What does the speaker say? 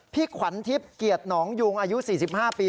พี่ขวัญทิพย์เกียรติหนองยุงอายุ๔๕ปี